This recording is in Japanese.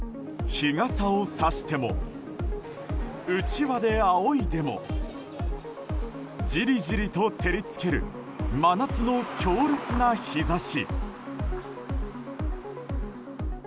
日傘をさしてもうちわであおいでもじりじりと照り付ける真夏の強烈な日差し。